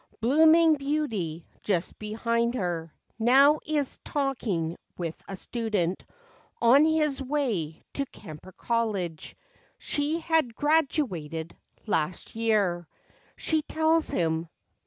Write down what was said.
Blooming beauty just behind her Now is talking with a student On his way to Kemper College; She had " graduated " last year, She tells him.